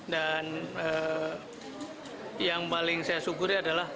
dan yang paling saya syukur adalah